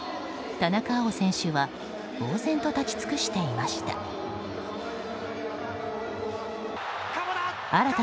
田中碧選手はぼうぜんと立ち尽くしていました。